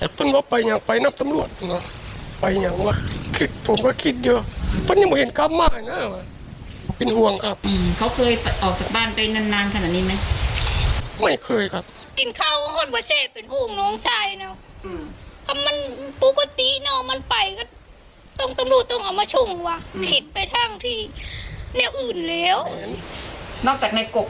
เขาเคยออกจากบ้านไปนานขนาดนี้ไหม